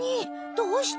どうして？